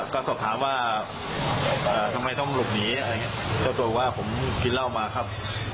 ก็สอบถามว่าทำไมต้องหลุดหนีเจ้าตัวบอกว่าผมกินเหล้ามาครับ